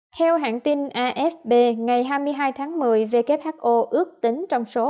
theo hãng tin afp ngày hai mươi hai tháng một mươi who ước tính trong số